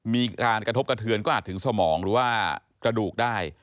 มีการกระทบกระเทือนก็อาจถึงสมองหรือว่ากระดูกได้